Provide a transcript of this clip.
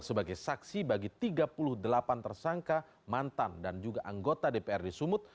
sebagai saksi bagi tiga puluh delapan tersangka mantan dan juga anggota dprd sumut